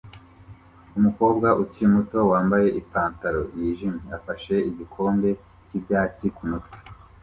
Umukobwa ukiri muto wambaye ipantaro yijimye afashe igikombe cyibyatsi kumutwe